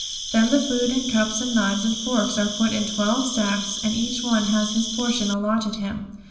Then the food and the cups and the knives and the forks are put in twelve sacks and each one has his portion allotted him.